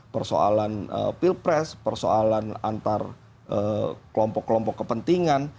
persoalan pilpres persoalan antar kelompok kelompok kepentingan